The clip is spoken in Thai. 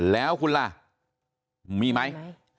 แล้วคุณล่ะมีไหม